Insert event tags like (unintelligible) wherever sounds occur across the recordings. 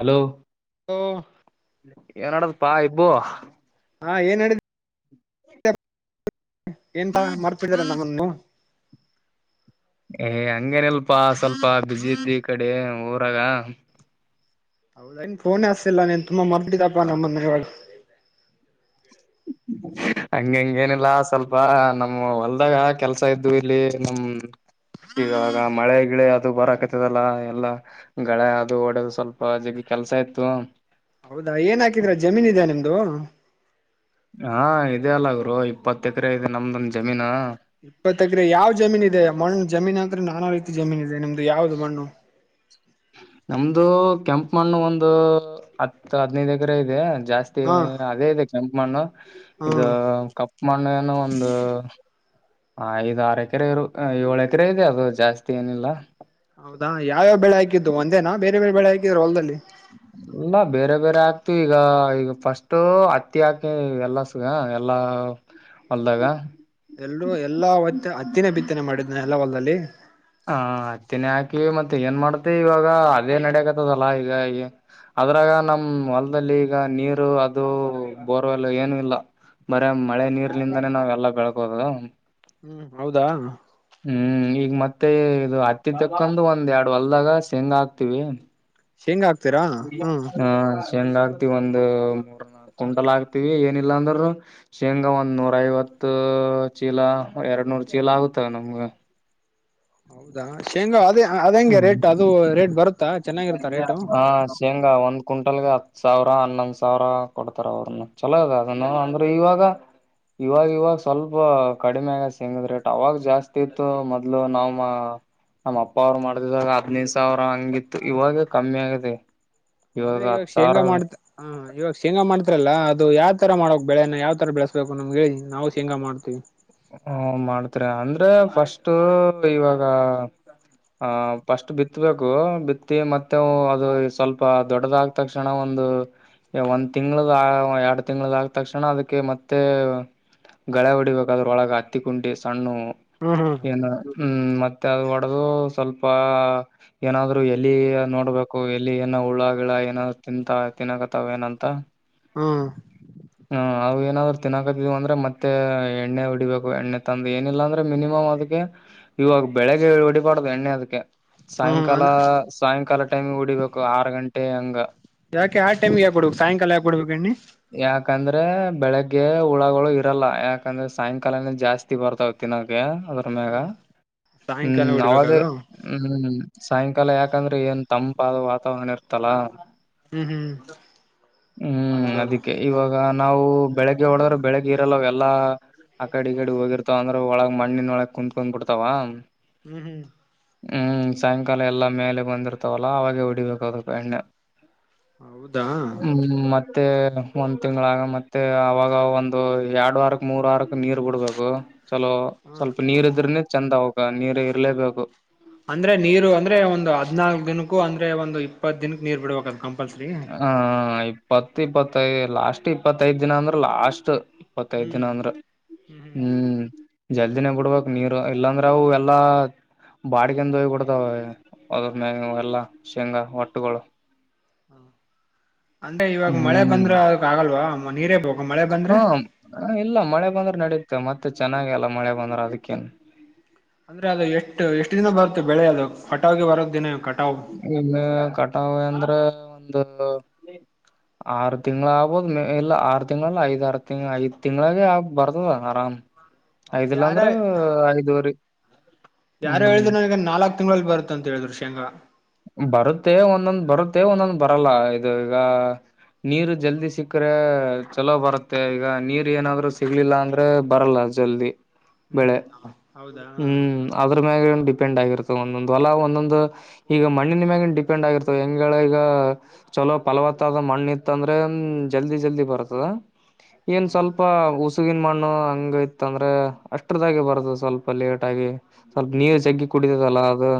Hello ಹ ಏನಡದ ಅಪ್ಪಾ ಇಬ್ಬು ಹಾ ಏನ್ ಹೇಳಿದ ಎನ್ ಪಾ ಮರ್ತಬಿಟಿದೀರಾ ನಮ್ಮನ್ನು ಏ ಹಂಗೇನಲ್ಪಾ ಸ್ವಲ್ಪ ಬಿಸಿ ಇದ್ದಿ ಈ ಕಡೆ ಊರಾಗ ಫೋನ್ ಹಚ್ಚಿಲ್ಲ ನೀನ್ ತುಂಬಾ ಮರ್ತಬಿಟ್ಟಿದಪ್ಪ ನಮ್ಮನ್ನು ಇವಾಗ ಹ ಹಂಗಂಗ ಏನಿಲ್ಲಾ ಸ್ವಲ್ಪ ನಮ್ ಹೊಲ್ದಾಗ ಕೆಲ್ಸ ಇದ್ದು ಇಲ್ಲಿ ನಿಮ್ಮ್ ಈಗಾಗ ಮಳೆ ಗಿಳೆ ಅದು ಬರಕತದಲ್ಲ ಎಲ್ಲ ಗಳ ಅದು ಓಡೋದು ಸ್ವಲ್ಪ ಜಗ ಕೆಲ್ಸ ಇತ್ತು ಹೌದಾ ಏನ್ ಹಾಕಿದ್ರ ಜಮೀನ್ ಇದ್ಯಾ ನಿಮ್ದು ಹಾ ಇದೆ ಅಲ ಗುರು ಇಪ್ಪತ್ತು ಎಕರೆ ಇದೆ ನಮ್ದುನು ಜಮೀನಾ ಇಪ್ಪತ್ತ ಎಕ್ರೆ ಯಾವ್ ಜಮೀನ್ ಇದೆ ಮಣ್ಣು ಜಮೀನ್ ಅಂದ್ರೆ ನಾನಾ ರೀತಿ ಜಮೀನ್ ಇದೆ ನಿಮ್ದು ಯಾವ್ದು ಮಣ್ಣು ನಮ್ದು ಕೆಂಪು ಮಣ್ಣು ಒಂದು ಹತ್ತು ಹದಿನೈದು ಎಕರೆ ಇದೆ ಜಾಸ್ತಿ ಹಾ ಮತ್ತ ಅದೇ ಇದೆ ಕೆಂಪು ಮಣ್ಣು ಹಾ ಇದು ಕಪ್ಪ ಮಣ್ಣು ಏನ ಒಂದು ಹ ಐದು ಆರು ಎಕರೆ ಇರು ಏಳು ಎಕರೆ ಇದೆ ಅದು ಜಾಸ್ತಿ ಏನಿಲ್ಲ ಹೌದಾ ಯಾವ್ಯಾವ ಬೆಳೆ ಹಾಕಿದ್ದು ಒಂದೇನಾ ಬೇರೆ ಬೇರೆ ಬೆಳೆ ಹಾಕಿದ್ರ ಹೊಲ್ದಲ್ಲಿ (inaudible) ಇಲ್ಲ ಬೇರೆ ಬೇರೆ ಆಕ್ತಿವಿ ಈಗ ಈಗ ಫಸ್ಟ್ ಅತ್ತಿ ಹಾಕಿ ಎಲ್ಲ ಸಗ ಎಲ್ಲಾ ಹೊಲ್ದಾಗ ಎಲ್ಲೂ ಎಲ್ಲಾ ಒತ್ತ ಹತ್ತಿನ ಬಿತ್ತನೆ ಮಾಡಿದ್ದ್ನ ಎಲ್ಲ ಹೊಲ್ದಲ್ಲಿ ಹಾ ಹತ್ತಿನೇ ಹಾಕಿವ ಮತ್ತೆ ಏನ್ ಮಾಡತಿ ಇವಾಗ ಅದೇ ನಡಕತದಲ್ಲಾ ಈಗ ಅದ್ರಾಗ ನಮ ಹೊಲದಲ್ಲಿ ಈಗ ನೀರು ಅದು ಬೋರ್ವೆಲ್ಲ ಏನು ಇಲ್ಲ ಬರ ಮಳೆ ನೀರ್ಲಿಂದನೇ ನಾವ್ ಎಲ್ಲಾ ಬೆಳಕೋದು ಹೌದಾ ಹ್ಮ್ ಈಗ ಮತ್ತೆ ಇದು ಹತ್ತಿ ತಕ್ಕೊಂಡ ಒಂದ್ ಎರಡ್ ಹೊಲ್ದಾಗ ಶೇಂಗ ಹಾಕ್ತಿವಿ ಶೇಂಗಾ ಆಕ್ತಿರಾ ಹ ಶೇಂಗ ಆಗ್ತಿವಿ ಒಂದ ಕುಂಟಲ್ ಆಗ್ತಿವಿ ಏನಿಲ್ಲಾ ಅಂದ್ರರು ಶೇಂಗಾ ಒಂದು ನೂರ ಐವತ್ತು ಚೀಲ ಎರಡು ನೂರು ಚೀಲ ಆಗುತ್ತವೆ ನಮ್ಗ ಹೌದಾ ಶೇಂಗಾ ಅದೇ ಅದ ಹೆಂಗೆ ಹ್ಮ್ ರೇಟ್ ಅದು ರೇಟ್ ಬರುತ್ತಾ ಚೆನ್ನಾಗಿರುತ್ತಾ ರೇಟು ಸೇಂಗಾ ಒಂದು ಕ್ವಿಂಟಲ್ಗೆ ಹತ್ ಸಾವಿರ ಹನ್ನೊಂದ್ ಸಾವಿರ ಕೊಡ್ತಾರ ಅವ್ರನ್ನ ಚಲೋ ಅದ ಅದನ್ನ ಅಂದ್ರೆ ಇವಾಗ ಇವಾಗ ಇವಾಗ ಸ್ವಲ್ಪ ಕಡಿಮೆ ಆಗ ಸೆಂಗದ್ ರೇಟ್ ಅವಾಗ ಜಾಸ್ತಿ ಇತ್ತು ಮೊದ್ಲು ನಮ್ ನಮ್ಮ ಅಪ್ಪ ಅವ್ರು ಮಾಡ್ದಿದಾಗ ಹದ್ನೈದು ಸಾವಿರ ಹಂಗಿತ್ತು ಇವಾಗ ಕಮ್ಮಿ ಆಗದೆ ಇವಾಗ ಹತ್ ಸಾವಿರ ಹಾ ಇವಾಗ ಶೇಂಗಾ ಮಾಡ್ತಿರಲ್ಲ ಅದು ಯಾವ ತರ ಮಾಡಕ್ ಬೆಳೆನ ಯಾವ್ ತರ ಬೆಳೆಸ್ಬೇಕು ನಮ್ಗೆ ಹೇಳಿ ನಾವು ಶೇಂಗಾ ಮಾಡ್ತೀವಿ ಹ್ಮ ಮಾಡ್ತರಿ ಅಂದ್ರೆ ಫಸ್ಟ್ ಇವಾಗ ಹ ಫಸ್ಟ್ ಬಿತ್ತಬೇಕು ಬಿತ್ತಿ ಮತ್ತೆ ಅವು ಅದು ಸ್ವಲ್ಪ ದೊಡ್ಡದಾಗ್ ತಕ್ಷಣ ಒಂದು ಒಂದ್ ತಿಂಗ್ಳ ಎರಡ್ ತಿಂಗ್ಳದ ಆಗ್ ತಕ್ಷಣ ಅದಕ್ಕೆ ಮತ್ತೆ ಗಳೆ ಹೊಡಿಬೇಕ ಅದ್ರ ಒಳಗ ಹತ್ತಿ ಕುಂಟಿ ಸಣ್ಣವು ಹ್ಮ್ ಏನುರ ಹ್ಮ್ ಮತ್ತೆ ಅದು ಹೊಡೆದು ಸ್ವಲ್ಪ ಏನಾದ್ರು ಎಲ್ಲಿ ನೋಡ್ಬೇಕು ಎಲ್ಲಿ ಏನ ಉುಳ್ಳ ಗಿಳ ಏನಾದ ತಿಂತ ತಿನ್ಕತ್ತಾವ ಏನಂತ ಹ್ಮ ಹ್ಮ ಅವು ಏನಾದ್ರು ತಿನ್ನಾಕತವಿ ಅಂದ್ರೆ ಮತ್ತೆ ಎಣ್ಣೆ ಹೊಡಿಬೇಕು ಎಣ್ಣೆ ತಂದು ಏನಿಲ್ಲ ಅಂದ್ರೆ ಮಿನಿಮಮ್ ಅದಕ್ಕೆ.... ಇವಾಗ ಬೆಳಗ್ ಹೊಡಿಬಾರ್ದು ಎಣ್ಣೆ ಅದಕ್ಕೆ ಹ್ಮ್ ಸಾಯಂಕಾಲ ಅಂದ್ರ ಸಾಯಂಕಾಲ ಟೈಮಿ ಹೋಡಿಬೇಕು ಆರು ಗಂಟೆ ಹಂಗ ಯಾಕೆ ಆ ಟೈಮಿಗೆ ಆಗ್ಬಬೇಕು ಸಾಯಂಕಾಲ ಯಾಕೆ ಹೂಡಿಬೇಕು ಎಣ್ಣಿ ಯಾಕಂದ್ರೆ ಬೆಳಿಗ್ಗೆ ಹುಳಗಳು ಇರಲ್ಲ ಯಾಕಂದ್ರೆ ಸಾಯಂಕಾಲನ ಜಾಸ್ತಿ ಬರ್ತ ತಿ ನಂಗೆ (inaudible) ಗ ಹ್ಮ್ ಸಾಯಂಕಾಲ ಹ್ಮ್ ಅವಾಗೇ ಹೊಡಿಬೇಕದು ಹ್ಮ್ ಸಾಯಂಕಾಲ ಹ್ಮ್ ಯಾಕಂದ್ರೆ ಏನ್ ತಂಪಾದ ವಾತಾವರಣ ಇರತಲ್ಲ ಹ್ಮ್ ಹ್ಮ್ ಹ್ಮ್ ಹೌದದು ಅದಿಕ್ಕೆ ಹ್ಮ್ ಇವಾಗ ನಾವು ಬೆಳಿಗ್ಗೆ ಹೊಡದರ ಬೆಳಿಗ್ಗೆ ಇರಲ್ಲ ಎಲ್ಲಾ ಆ ಕಡೆ ಈ ಕಡೆ ಹೋಗಿರ್ತಾವ ಅಂದ್ರ ಒಳಗ್ ಮಣ್ಣಿನ ಒಳಗ್ ಕುತ್ಕೊಂಡ್ ಬಿಡ್ತಾವ ಹ್ಮ್ ಹ್ಮ್ ಸಾಯಂಕಾಲ ಎಲ್ಲ ಮೇಲೆ ಬಂದಿರ್ತಾವಲ್ಲ ಅವಾಗೆ ಹೊಡಿಬೇಕ ಅದಕ್ ಎಣ್ಣೆ ಹೌದಾ ಹ್ಮ್ ಮತ್ತೆನೆ.. ಒಂದ್ ತಿಂಗಗಳಾಗ ಮತ್ತೆ ಅವಾಗ ಒಂದು ಎರಡು ವಾರಕ್ ಮೂರ್ ವಾರಕ್ ನೀರ್ ಬಿಡ್ಬೇಕು ಹಲೋ ಹ ಸ್ವಲ್ಪ ನೀರ್ ಇದ್ರನ ಚೆಂದ ಅವಕ ನೀರ್ ಇರ್ಲೇಬೇಕು ಅಂದ್ರೆ ನೀರು ಅಂದ್ರೆ ಒಂದು ಹದ್ನಾಲ್ಕ್ ದಿನಕ್ಕೂ ಅಂದ್ರೆ ಒಂದು ಇಪ್ಪತ್ ದಿನಕ್ಕ ನೀರ್ ಬಿಡ್ಬೇಕ ಕಂಪಲ್ಸರಿ ಹ ಇಪ್ಪತ್ ಇಪ್ಪತ್ತೈದು ಲಾಸ್ಟ್ ಇಪ್ಪತ್ತೈದ ದಿನ ಅಂದ್ರೆ ಲಾಸ್ಟ್ ಇಪ್ಪತ್ತೈದ್ ದಿನ ಹ್ಮ್ ಅಂದ್ರ ಹ್ಮ್ ಜಲ್ದಿನೇ ಬಿಡ್ಬಕ್ ನೀರು ಇಲ್ಲಾಂದ್ರೆ ಅವು ಎಲ್ಲಾ... ಬಾಡಿಗೆಂದಯ್ ಬಿಡ್ತಾವ ಅದ್ರ ಮೇವ ಎಲ್ಲ ಶೇಂಗಾ ಹೊಟ್ಟುಗಳು ಅಂದ್ರೆ ಇವಾಗ ಮಳೆ ಹ್ಮ್ ಬಂದ್ರೆ ಅದಕ್ ಆಗಲ್ವಾ ನೀರೇ ಬೋಗಮ್ಮ ಹ್ಮ ಇಲ್ಲ ಮಳೆ ಬಂದ್ರೆ ನಡುತ್ತೆ ಮತ್ತೆ ಚೆನ್ನಾಗ ಅಲ್ಲ ಮಳೆ ಬಂದ್ರೆ ಅದಕ್ಕೇನ್ ಅಂದ್ರೆ ಅದು ಎಷ್ಟು ಎಷ್ಟು ದಿನ ಬರುತ್ತೆ ಬೆಳೆ ಅದು ಕಟಾವಗೆ ಬರೋ ದಿನೇ ಕಟಾವ ಈಗ ಕಟಾವೆ ಅಂದ್ರೆ ಒಂದು ಆರು ತಿಂಗಳ ಆಗ್ಬೋದು ಮ ಇಲ್ಲ ಆರು ತಿಂಗಳ ಐದ್ ಆರು ತಿ ಐದು ತಿಂಗಳ ಆಗ್ ಬರ್ತ ಆರಾಮ್ ಐದಿಲ್ಲ ಯಾರ ಅಂದ್ರ ಐದುವರಿ ಯಾರು ಹ್ಮ್ ಹೇಳಿದ್ರು ನನಗೆ ನಾಲ್ಕ್ ತಿಂಗಳಲ್ಲಿಲ್ ಬರುತ್ತ ಅಂತ ಹೇಳಿದ್ರು ಶೇಂಗಾ ಬರುತ್ತೆ ಒಂದೊಂದ್ ಬರುತ್ತೆ ಒಂದೊಂದ್ ಬರಲ್ಲ ಇದು ಈಗ ನೀರು ಜಲ್ದಿ ಸಿಕ್ಕ್ರೆ ಚಲೋ ಬರುತ್ತೆ ಈಗ ನೀರ್ ಏನಾದ್ರರು ಸಿಗ್ಲಿಲ್ಲ ಅಂದ್ರೆ ಬರಲ್ಲ.... ಜಲ್ದಿ ಬೆಳೆ ಹ್ಮ್ ಹೌದಾ ಹ ಹ್ಮ್ ಅದ್ರ ಮ್ಯಾಗ ಡಿಪೆಂಡ್ ಆಗಿರುತ್ತೆ ಒಂದೊಂದು ಅಲ್ಲ ಒಂದು ಹೋಲ ಒಂದೊಂದು. ಈಗ ಮಣ್ಣಿನ ಮ್ಯಾಗನ್ ಡಿಪೆಂಡ್ ಆಗಿರ್ತವೆ ಹೆಂಗ್ಗಳ ಈಗ ಚಲೋ ಫಲವತ್ತಾದ ಮಣ್ಣ ಇತ್ತ ಅಂದ್ರೆ ಜಲ್ದಿ ಜಲ್ದಿ ಬರ್ತದ ಏನ್ ಹ್ಮ್ ಸ್ವಲ್ಪ ಉಸ ಈಗನ್ ಮಣ್ಣು ಹಂಗ ಇತ್ ಅಂದ್ರೆ ಅಷ್ಟ್ರದಾರಾಗ ಬರುದು ಸ್ವಲ್ಪ ಲೇಟ್ ಆಗಿ... ಸ್ವಲ್ಪ ನೀರು ಜಗ್ಗಿ ಕುಡಿದದಲ್ಲಾ ಅದು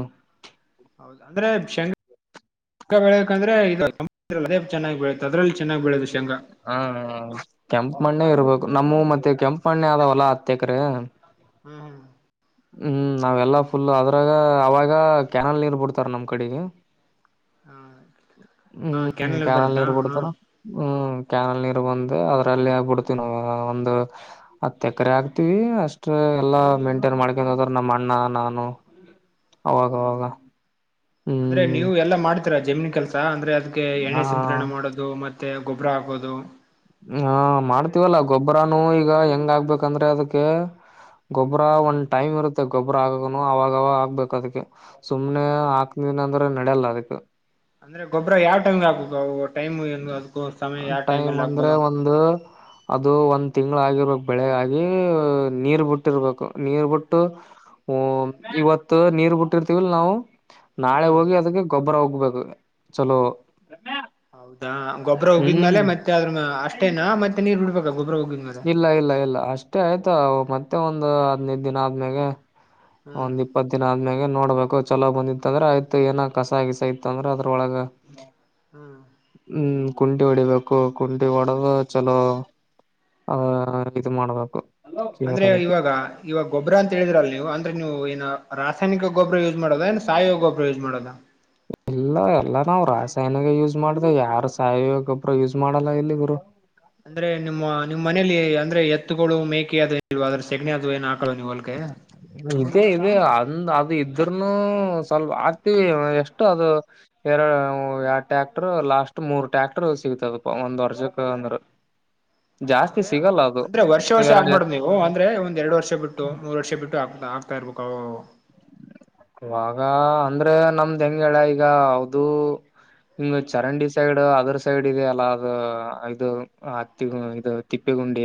ಹೌದ ಅಂದ್ರೆ ಶಂ ಶೇಂಗಾ ಬೆಳಂದ್ರೆ ಇದು ಚೆನ್ನಾಗಿ ಬೆಳೆ ಅದ್ರಲ್ಲಿ ಚೆನ್ನಾಗಿ ಬೆಳದು ಶೇಂಗಾ ಹ್ಮ ಕೆಂಪು ಮಣ್ಣೆ ಇರ್ಬೇಕು ನಮ್ಮ ಮತ್ತೆ ಕೆಂಪ ಮಣ್ಣೆ ಅದಾವಲ್ಲಾ ಹತ್ತಕ್ರ ಹ್ಮ್ ಹ್ಮ ಹ್ಮ್ ನಾವೆಲ್ಲಾ ಫುಲ್ ಅದ್ರಾಗ ಅವಾಗ ಕ್ಯಾನಲ್ ನೀರ್ ಬಿಡ್ತಾರ ನಮ್ ಕಡೆಗಿ ಹ್ಮ್ ಹ ಹಾ ಹ್ಮ್ ಕ್ಯಾನಲ್ ಕೆನಾಲ್ ಬರುತ್ತಾ ನೀರು ಹಾ ಬಿಡ್ತಾರ ಹ್ಮ್ ಕ್ಯಾನಲ್ ನೀರು ಬಂದು ಅದ್ರಲ್ಲಿ ಆ ಬಿಡ್ತೀವಿ ನಾವು ಒಂದು ಹತ ಎಕರೆ ಹಾಕ್ತಿವಿ ಅಷ್ಟ್ ಎಲ್ಲಾ ಮೇಂಟೈನ್ ಮಾಡ ಯಾದ್ರ ನಮ್ಮ ಅಣ್ಣ ನಾನು ಹ್ಮ್ ಅವಾಗವಾಗ ಅಂದ್ರೆ ಹ್ಮ್ ನೀವು ಎಲ್ಲಾ ಮಾಡ್ತೀರಾ ಜಮೀನ್ ಕೆಲ್ಸ ಅಂದ್ರೆ ಅದ್ಕೆ ಹಾ ಎಣ್ಣೆ ಸಿಂಪಡಣೆ ಮಾಡೋದು ಇದು ಮತ್ತೆ ಗೊಬ್ಬರ ಹಾಕೋದು ಹಾ ಅಂದ್ರೆ ಮಾಡ್ತೀವಲ್ಲ ಗೊಬ್ಬರನು ಈಗ ಹೆಂಗ ಆಗ್ಬೇಕಂದ್ರೆ ಅದಕ್ಕೆ ಗೊಬ್ರ ಹ್ಮ್ ಒಂದ್ ಟೈಮ್ ಇರುತ್ತೆ ಗೊಬ್ಬ್ರ ಆಗನು ಅವಾಗವಾಗ ಆಗ್ಬೇಕು ಅದಕ್ಕೆ ಸುಮ್ನೆ ಅದ ದಿನ ಅಂದ್ರೆ ನಡೆಯಲ್ಲ ಅದಕ್ಕೇ ಅಂದ್ರೆ ಗೊಬ್ರರ ಯಾವ ಟೈಮ್ಗೆ ಹಾಕಬೇಕು ಯಾವ ಟೈಮ್ ಅದಕ್ಕು ಸಮಯ ಯಾವ ಟೈಮ್ ಟೈಮಲ್ಲಿ ಅಂದ್ರೆ ಹಾಕಬಹುದು ಒಂದು ಅದು ಒಂದ್ ತಿಂಗಳ ಆಗಿರ್ಬೇಕ್ ಬೆಳೆಗಾಗಿ ನೀರ್ ಬಿಟ್ಟಿರ್ಬೇಕು ನೀರ್ ಬಿಟ್ಟು ಹ ಇವತ್ತು ನೀರ್ ಬಿಟ್ಟಿರ್ತೀವಲ್ ನಾವು ನಾಳೆ ಹ್ಮ್ ಹೋಗಿ ಅದಕ್ಕೆ ಗೊಬ್ಬರ ಉಗಬೇಕು ಚಲೋ ಹೌದಾ ಗೊಬ್ಬರ ಉಗಿದ್ಮೇಲ್ ಹ್ಮ್ ಮತ್ತೆ ಅ್ರ ಅಷ್ಟೇನ ಮತ್ತೆ ನೀರ್ ಬಿಡ್ಬೇಕ ಗೊಬ್ಬರ ಉಗಿದ ಇಲ್ಲ ಇಲ್ಲ ಇಲ್ಲ ಅಷ್ಟೇ ಆಯ್ತಾ ಮತ್ತೆ ಒಂದು ಹದ್ ನೈದು ದಿನ ಆದ್ಮೇಲೆ ಹ್ಮ್ ಒಂದ್ ಇಪ್ಪತ್ ದಿನ ಆದ್ಮ್ಯಾಗ ನೋಡ್ಬೇಕು ಚಲೋ ಬಂದಿತ್ತ ಅಂದ್ರೆ ಆಯ್ ಏನ ಕಸಾ ಗಿಸಾ ಇತ್ತ ಅಂದ್ರೆ ಅದ್ರೊಳಗ ಹ್ಮ್ ಹ್ಮ್ ಕುಂಟಿ ಹೊಡಿಬೇಕು ಕುಂಠಿ ಹೊಡೆದು ಚಲೋ ಆಹ ಇದು ಮಾಡ್ಬೇಕು ಅಂದ್ರೆ ಕೇರ್ ಇವಾಗ ಇವಾಗ ಗೊಬ್ಬ್ರಾ ಅಂತ ಹೇಳಿದ್ರಲ್ ನೀವು ಅಂದ್ರೆ ನೀವು ಏನ ರಾಸಾಯನಿಕ ಗೊಬ್ಬರ ಯೂಸ್ ಮಾಡೋದ ಸಾಯಿ ಗೊಬ್ಬರ ಯೂಸ್ ಮಾಡೋದಾ ಇಲ್ಲ ಎಲ್ಲ ನಾವು ರಾಸಾಯನಗ ಯೂಸ್ ಮಾಡ್ದ ಯಾರು ಸಾಯ ಗೊಬ್ಬರು ಯೂಸ್ ಮಾಡಲ್ಲ ಇಲ್ಲಿ ಗುರು ಅಂದ್ರೆ ನಿಮ್ಮ ನಿಮ್ಮ್ ಮನಲಿ ಅಂದ್ರೆ ಎತ್ತುಗಳು ಮೇಕೆ ಅದು ಇಲ್ ಅ್ರ ಸೆಗಣಿ ಅದು ಏನ್ ಹಾಕಲ್ ನೀವು ಹೊಲಕ್ಕೆ ಇದೇ ಇದೆ ಅಂದ ಅದು ಇದ್ರನು ಸ್ವಲ್ಪ ಹಾಕತಿವಿ ಎಷ್ಟು ಅದು ಎರಡು ಎ ಟ್ಯಾಕ್ಟರ್ ಲಾಸ್ಟ್ ಮೂರ್ ಟ್ಯಾಕ್ಟರ್ ಸಿಗ್ತದ ಒಂದ್ ವರ್ಷಕ್ಕೆ ಅಂದ್ರ ಜಾಸ್ತಿ ಸಿಗಲ್ಲ ಅದು ಎರಡು ಎತ್ತು ಓಹ ಅಂದ್ರೆ ಒಂದ್ ಎರಡು ವರ್ಷ ಬಿಟ್ಟು ಮೂರು ವರ್ಷ ಬಿಟ್ಟು ಹಾಕ್ತಾ ಇರ್ಬೇಕು ಅವಾಗವಾಗ ಇವಾಗ ಅಂದ್ರೆ ನಮ್ದ್ ಹೆಂಗಗೆಳ ಈಗ ಅದು ಹಂಗ ಚರಂಡಿ ಸೈಡ್ ಅದ್ರ ಸೈಡ್ ಇದೆ ಅಲ್ಲ ಅದು ಇದು ಹತ್ತಿ ಇದು ತಿಪ್ಪೆಗುಂಡಿ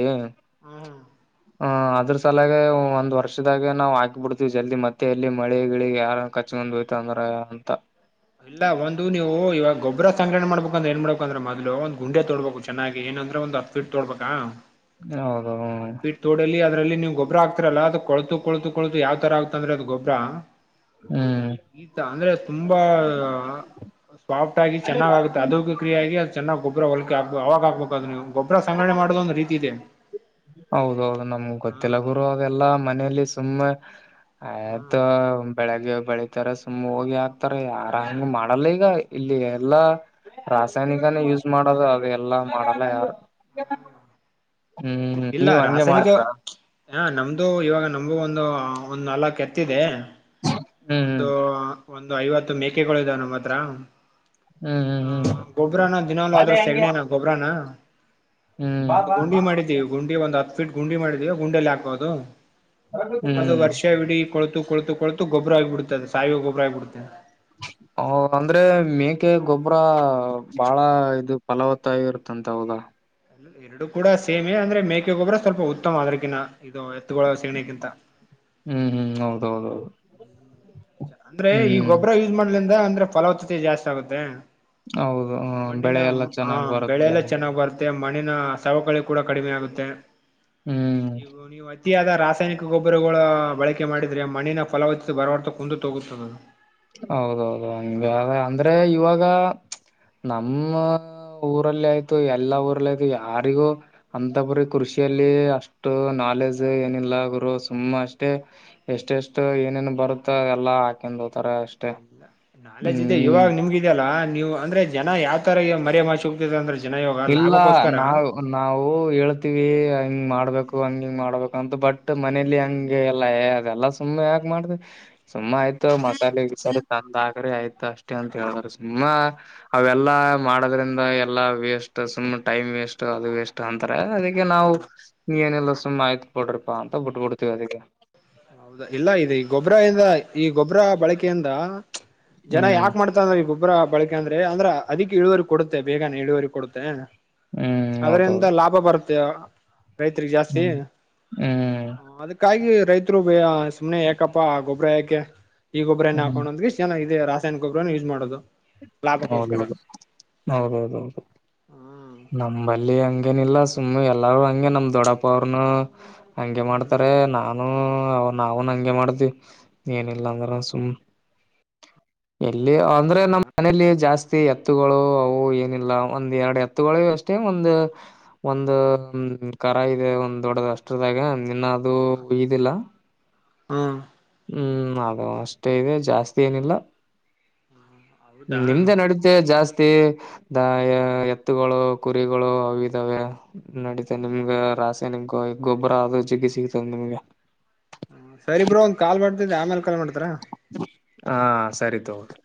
ಹ್ಮ್ ಹ ಅದ್ರ ತಲಾಗ ಒಂದ್ ವರ್ಷದಾಗ ನಾವು ಹಾಕಿ ಬಿಡ್ತೀವಿ ಜಲ್ದಿ ಮತ್ತೆ ಎಲ್ಲಿ ಹಳಿಗಳಿಗೆ ಯಾರ ಕಚ್ಕೊಂಡ್ ಹೋಯ್ತಂದ್ರ ಅಂತ ಇಲ್ಲ ಒಂದು ನೀವು ಇವಾಗ ಗೊಬ್ಬರ ಸಂಗ್ರಣೆ ಮಾಡ್ಬೇಕಂದ್ರೆ ಏನ್ ಮಾಡ್ಬೇಕ ಅಂದ್ರೆ ಮೋದ್ಲು ಒಂದ್ ಗುಂಡೆ ತೋಡ್ಬೇಕು ಚೆನ್ನಾಗಿ ಏನಂದ್ರೆ ಒಂದು (unintelligible) (unintelligible) ತೋಡ ಅದ್ರಲ್ಲಿ ನೀವು ಗೊಬ್ಬರ ಆಕ್ತರಲ್ಲ ಅದು ಕೊಳು ಕೊಳತು ಕೊಳತು ಯಾವ ತರ ಆಗ್ ಅಂದ್ರೆ ಅದು ಗೊಬ್ಬರ ಹ್ಮ್ ಈ ಅಂದ್ರೆ ತುಂಬಾ ಸಾಫ್ಟ್ ಆಗಿ ಚೆನ್ನಾಗ್ ಆಗುತ್ತೆ ಅದ ಕ್ರಿಯ ಆಗಿ ಚೆನ್ನಾಗಿ ಗೊಬರ ಹೊಲಕೆ ಆಗ್ ಅವಾಗ ಆಗ್ಬೇಕು ಅದು ನೀ ಗೊಬರ ಸಂಗ್ರಣೆ ಮಾಡೋ ಒಂದು ರೀತಿ ಇದೆ ಹೌದೌದು ನಮ್ಗೆ ಹಾ ಗೊತ್ತಿಲ್ಲ ಗುರುವ ಹಾಗೆಲ್ಲ ಮನೆಯಲ್ಲಿ ಸುಮ್ಮನೆ ಹಾ ಆಯತ ಬೆಳಗ್ಗೆ ಬೆಳಿತಾರೆ ಸುಮ್ ಹೋಗಿ ಹಾಕ್ತಾರ ಆರಂಗ ಮಾಡಲ್ಲ ಈಗ ಇಲ್ಲಿ ಎಲ್ಲಾ ರಾಸಾಯನಿಕನ ಯೂಸ್ ಮಾಡೋದು ಅದು ಎಲ್ಲ ಮಾಡಲ್ಲ ಯಾರು ಹ್ಮ್ ಇಲ್ಲ ನೀವ್ ಹಂಗೆ ರಾಸಾಯನಿಕ ಮಾಡ್ತೀರಾ ಹ ನಮ್ದು ಇವಾಗ ನಮು ಒಂದು ಒಂದು್ ನಲ್ಕ್ ಎತ್ತಿದೆ ಹ್ಮ್ ಒಂದು ಹ್ಮ್ ಒಂದು ಐವತ್ತು ಮೇಕೆಗಳು ಇದಾವೆ ನಮ್ಮ ಹತ್ರ ಹ್ಮ್ ಹ್ಮ್ ಹ ಹ್ಮ್ ಗೊಬ್ಬ್ರನ ದಿನಲು ಅದ್ರ ಸೆಗಣನ ಗೊಬ್ಬ್ರಾನ ಒಂದು ಹ್ಮ್ ಗುಂಡಿ ಮಾಡಿದ್ದೀವಿ ಗುಂಡಿ ಒಂದು್ ಹತ್ತು ಗುಂಡಿ ಮಾಡಿದೀವ ಗುಂಡೆಲ್ಲ ಹಾಬಹದು ಹ್ಮ್ ಅದು ಹ್ಮ್ ವರ್ಷವಿಡ ಕೊತು ಕೊತು ಕೊತು ಗೊಬ್ರಗಬಿಡ್ತದೆ ಸಾಯಿಗೆ ಗೊಬ್ಬರಗಬಿಡ್ದೆ ಹ ಅಂದ್ರೆ ಮೇಕೆ ಗೊಬ್ಬರ ಬಾಳ ಇದು ಫಲವತ್ತಗರುತ್ತಂತ ಹೌದಾ ಎರಡು ಕೂಡ ಸೇಮೆ ಅಂದ್ರೆ ಮೇಕೆ ಗೊಬ್ರ ಸ್ವಲ್ಪ ಉತ್ತಮ ಅದ್ರಕಿಂತ ಇದು ಎತ್ತುಗಳ ಸೇಮಗಿಂತ ಹ್ಮ್ ಹ್ಮ್ ಹೌದೌದೌದು ಅಂದ್ರೆ ಈ ಹ್ಮ್ ಗೊಬ್ಬರ ಯೂಸ್ ಮಾಡ್ಲಿಂದ ಅಂದ್ರೆ ಫಲವತ್ತತೆ ಜಾಸ್ತಿ ಆಗುತ್ತೆ ಹೌದು ಹ ಮಣ್ಣಿನ ಬೆಳೆ ಎಲ್ಲ ಹ ಚೆನ್ನಾಗ್ ಬರುತ್ತೆ ಬೆಳೆಲ್ಲ ಚೆನ್ನಾಗ್ ಬರ್ತದೆ ಮ ಮಣಿನ ಸವಕಳಿ ಕೂಡ ಕಡಿಮೆ ಆಗುತ್ತೆ ಹ್ಮ್ ಇವು ನೀವು ರೀತಿಯಾದ ರಾಸಾಯನಿಕ ಗೊಬ್ಬರಗಳ ಬಳಕೆ ಮಾಡಿದ್ರೆ ಮಣ್ಣಿನ ಫಲವ ಬರವರ್ತ ಕುಂದು ತೋಗುತ್ತೆ ನಾನು ಹೌದೌದು ಹಂಗಗೆ ಅಂದ್ರೆ ಇವಾಗ ನಮ್ಮ ಊರಲ್ಲಿ ಆಯ್ತು ಎಲ್ಲಾ ಊರಲ್ಲಿ ಆಯ್ತು ಯಾರಿಗೂ ಅಂತ ಬ್ರ ಕೃಷಿಯಲ್ಲಿ ಅಷ್ಟು ನಾಲೆಜ್ ಏನಿಲ್ಲ ಗುರು ಸುಮ್ಮ ಅಷ್ಟೇ ಎಷ್ಟ ಎಷ್ಟು ಏನೇನ್ ಬರುತ್ತ ಎಲ್ಲಾ ಹಾಕೊಂಡ್ ಹೋತಾರ ಅಷ್ಟೇ ಎಲ್ಲ ನಾಲೆಜ್ ಇದೆ ಹ್ಮ್ ಇವಾಗ ನಿಮ್ಗ ಇದ ಅಲ್ಲಾ ನೀವು ಅಂದ್ರೆ ಜನ ಯಾವ್ ತರ ಮರಮಚು ಅಂದ್ರೆ ಜನ ಯಾಗ ಇಲ್ಲ ಲಾಭಕೋಸ್ಕರ ನಾವ್ ನಾವು ಹೇಳ್ತೀವಿ ಹಂಗ ಮಾಡ್ಬೇಕು ಹಂಗ ಹಿಂಗ ಮಾಡ್ಬೇಕು ಅಂತ ಬಟ್ ಮನೇಲಿ ಹ್ಮ್ ಹಗೆ ಎಲ್ಲ ಲ್ಲ ಅದೆಲ್ಲಾ ಸುಮ್ಮ್ ಯಾಕ ಮಾಡ್ದ ಸುಮ್ಮ ಆಯ್ತು ಮಸಾಲ ಈ ಸರಿ ತಂದ ಆಕ್ರಿ ಆಯ್ತು ಅಷ್ಟೇ ಅಂತ ಹೇಳಿದರು ಸುಮ್ಮ ಅವೆಲ್ಲಾ ಮಾಡೋದ್ರಿಂದ ಎ ಎಲ್ಲ ವೇಸ್ಟ್ ಸುಮ್ ಟೈಮ್ ವೇಸ್ಟ್ ಅದು ವೇಸ್ಟ್ ಅಂತಾರೆ ಅದಕ್ಕೆ ನಾವು ನೀ ಏನೆಲ್ಲ ಸು್ ಆಯ್ತ್ ಬಿಡ್ರಿಪ್ಪ ಅಂತ ಬಿಟ್ಬ ಬಿಡ್ತೀವಿ ಅದಿಗೆ ಹೌದಾ ಇಲ್ಲ ಇದು ಈ ಗೊಬ್ಬ್ರ ಇಿಂದ ಈ ಗೊಬ್ಬ್ರ ಬಳಕೆಯಿಂದ ಜನ ಹ್ಮ್ ಯಾಕ ಮಾಡ ಮಾಡ್ತ ಅಂದ್ರ ಈ ಗೊಬ್ಬ್ರ ಬಳಕೆ ಅಂದ್ರೆ ಅಂದ್ರ ಅದಿಕ್ ಇಳುವರಿ ಕೊಡೆ ಬೇಾನ ಇಳುವರಿ ಕೊಡುತ್ತೆ ಹ್ಮ್ ಅದರಿಂದ ಹೌದೌದು ಲಾಭ ಬರುತ್ತೆ ರೈತರಿಗೆ ಜಾಸ್ತಿ ಹ್ಮ್ ಹ್ಮ್ ಾಗಿ ರೈತರು ಸುಮ್ಮನೆ ಯಾಕಪ್ಪ ಗೊಬ್ರರ ಯಾಕೆ ಈ ಗೊಬರನ ಹ್ಮ್ ಹಾಕೊಂಡುೋದ್ ಚೆ ಇದೆ ರಾಸಾಯನಿಕೊಬ್ಬರನ ಯೂಸ್ ಮಾಡೋದು ಲಾಭಕ್ಕೋಸ್ಕರ ಹೌದೌದು ಹೌದದು ಹದುದು ಹ್ಮ್ ನಮಲ್ಲಿ ಹಂಗೇನ ಇಿಲ್ಲಾ ಸುಮ್ಮನೆ ಎಲ್ಲಾರೂ ಹಗೆ ನಮ್ ದೊಡ್ಡಪ್ಪ ಅವ್ರನು ಹಂಗೆ ಹ್ಮ್ ಮಾಡ್ತಾರೆ ನಾನು ಅವ ನಾವನ್ ಹಗೆ ಮಾಡ್ದವಿ ಏನಿಲ್ಲ ಅಂದ್ರ ಸುಮ್ ಎಲ್ಲಿ ಅಂದ್ರೆ ಹೌದಾ ನಮ್ಮ್ ಮನಲಿ ಜಾಸ್ತಿ ಎತ್ತುಗಳು ಅವು ಏನಿಲ್ಲ ಒಂದ್ ಎರಡು ಎತ್ತು ತಗೊಳ್ಳ ಅಷ್ಟೇ ಒಂದ ಒಂದ ಕರ ಇದೆ ಒಂದ್ ದೊಡ್ಡದ್ ಅಷ್ಟರದಾಗ ನಿನ್ನ ಅದು ಇದಿಲ್ಲ ಹ್ಮ್ ಹ್ಮ್ ಅದು ಅಷ್ಟೇ ಇದೆ ಜಾಸ್ತಿ ಏನಿಲ್ಲ ಹ್ಮ ಹೌದಾ ನಿಮ್ದೆ ನಡಿದ. ತ್ತೆ ಜಾಸ್ತಿ ದ ಎತ್ತುಗಳು ಕುರಿಗಳು ಅವ ಇದಾವೆ. ನಡೀತ ನಿಮ್ಗ ರಾಸಾಯನಿಕ ಗೊಬ್ಬರ ಅದು ಜಗ್ಗಿ ಸಿಗ್ತದ ನಿಮ್ಗೆ. ಸರಿಬ್ರೋ ಒಂದ್ ಕಾಲ್ ಮಾಡ್ತಿದ್ದೆ ಆಮೇಲೆ ಕಾಲ್ ಮಾಡ್ತಿರಾ. ಹಾ ಸರಿ ತಗೊಳ್ರಿ.